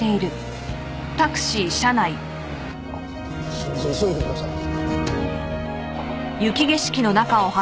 すいません急いでください。